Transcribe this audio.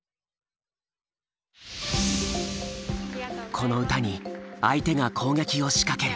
この歌に相手が攻撃を仕掛ける。